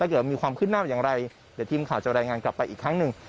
เกิดมีความขึ้นหน้าอย่างไรเดี๋ยวทีมข่าวจะรายงานกลับไปอีกครั้งหนึ่ง